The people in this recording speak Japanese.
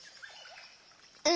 うん。